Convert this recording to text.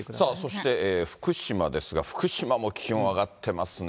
そして福島ですけれども、福島も気温上がってますね。